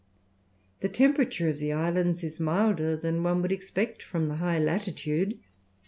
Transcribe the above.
The temperature of the islands is milder than one would expect from the high latitude.